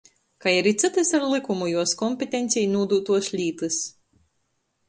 Kai ari cytys ar lykumu juos kompetencē nūdūtuos lītys.